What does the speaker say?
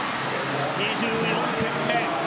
２４点目。